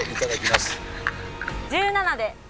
１７で。